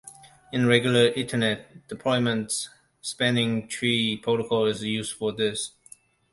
In regular Ethernet deployments, Spanning Tree Protocol is used for this.